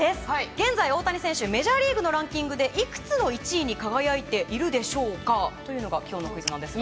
現在、大谷選手メジャーリーグのランキングでいくつの１位に輝いているでしょうかというのが今日のクイズですが。